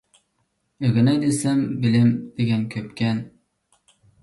ئۆگىنەي دېسە بىلىم دېگەن كۆپكەن.